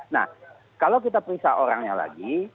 nah kalau kita periksa orangnya lagi